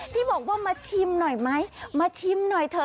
ที่บอกว่ามาชิมหน่อยไหมมาชิมหน่อยเถอะ